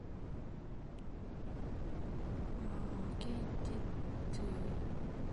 Located near the town is "Wildlife Wonderland", which features the Giant Earthworm Museum.